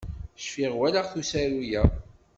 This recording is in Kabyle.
Cfiɣ walaɣ-t usaru-ya.